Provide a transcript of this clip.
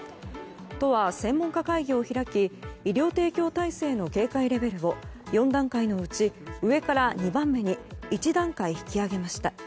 都は専門家会議を開き医療提供体制の警戒レベルを４段階のうち上から２番目に１段階引き上げました。